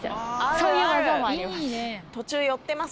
そういう技もあります。